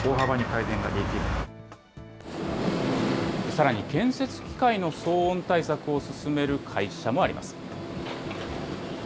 さらに、建設機械の騒音対策を進める会社もあります。